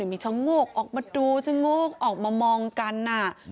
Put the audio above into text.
มีชะโงกออกมาดูชะโงกออกมามองกัน